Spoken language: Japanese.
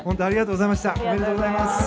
ありがとうございます。